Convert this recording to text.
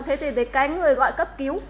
thế thì cái người gọi cấp cứu